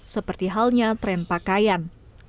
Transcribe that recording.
seperti halnya tren pakaian